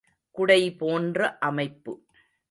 குடை போன்ற அமைப்பு.